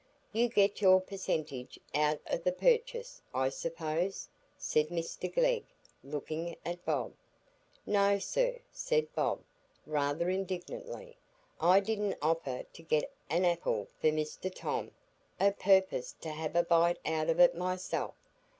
"You get your percentage out o' the purchase, I suppose?" said Mr Glegg, looking at Bob. "No, sir," said Bob, rather indignantly; "I didn't offer to get a apple for Mr Tom, o' purpose to hev a bite out of it myself.